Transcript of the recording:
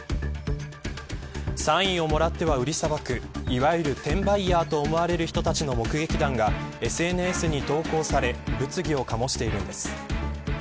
サインをもらっては売りさばくいわゆる転売ヤーと思われる人たちの目撃談がＳＮＳに投稿され物議をかもしているんです。